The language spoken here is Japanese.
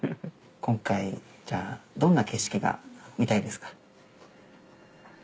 今回どんな景色が見たいですか？